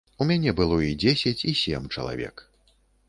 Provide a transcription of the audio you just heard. У мяне было і дзесяць і сем чалавек.